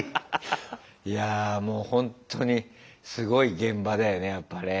いやぁもうほんとにすごい現場だよねやっぱね。